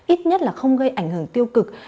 ít nhất là không gây ảnh hưởng tiêu cực